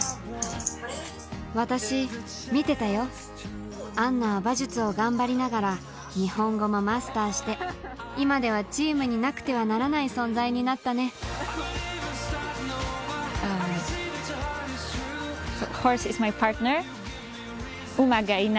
私見てたよアンナは馬術を頑張りながら日本語もマスターして今ではチームになくてはならない存在になったね個性を尊重し合えればきっとウマくいく